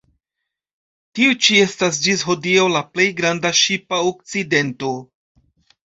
Tiu ĉi estas ĝis hodiaŭ la plej granda ŝipa akcidento.